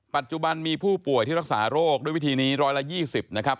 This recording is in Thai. ปัจจุบันมีผู้ป่วยที่รักษาโรคด้วยวิธีนี้๑๒๐นะครับ